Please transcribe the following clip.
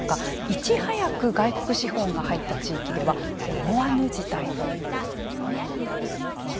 いち早く外国資本が入った地域では思わぬ事態も。